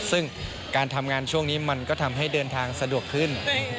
ซึ่งการทำงานช่วงนี้มันก็ทำให้เดินทางสะดวกขึ้น